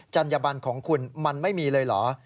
ัญญบันของคุณมันไม่มีเลยเหรอ